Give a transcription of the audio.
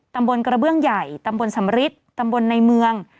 ตำบลกระเบื้องใหญ่ตำบลสำริทตำบลในเมือง